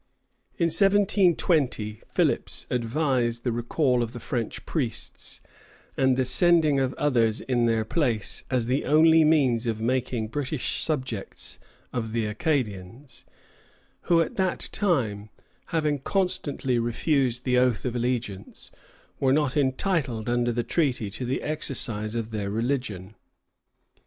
In 1720 Philipps advised the recall of the French priests, and the sending of others in their place, as the only means of making British subjects of the Acadians, who at that time, having constantly refused the oath of allegiance, were not entitled, under the treaty, to the exercise of their religion.